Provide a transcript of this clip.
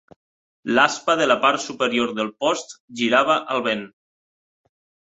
L'aspa de la part superior del post girava al vent.